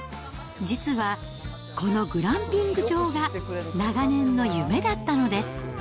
実は、このグランピング場が、長年の夢だったのです。